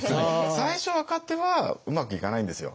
最初若手はうまくいかないんですよ。